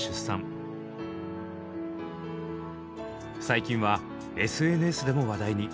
最近はＳＮＳでも話題に。